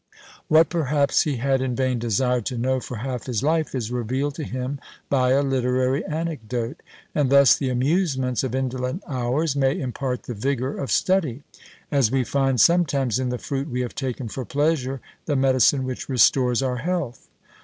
What perhaps he had in vain desired to know for half his life is revealed to him by a literary anecdote; and thus the amusements of indolent hours may impart the vigour of study; as we find sometimes in the fruit we have taken for pleasure the medicine which restores our health.